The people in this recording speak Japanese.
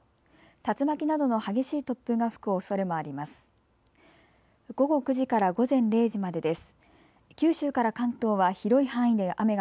竜巻などの激しい突風が吹くおそれもあります。